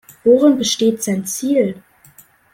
Worin besteht sein Ziel?